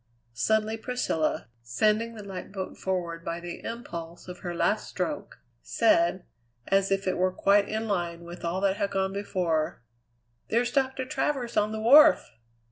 Suddenly Priscilla, sending the light boat forward by the impulse of her last stroke, said, as if it were quite in line with all that had gone before: "There's Doctor Travers on the wharf!"